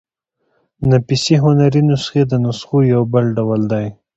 نفیسي هنري نسخې د نسخو يو بل ډول دﺉ.